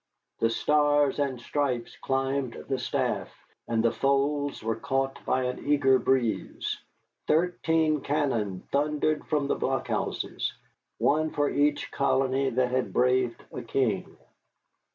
The Stars and Stripes climbed the staff, and the folds were caught by an eager breeze. Thirteen cannon thundered from the blockhouses one for each colony that had braved a king.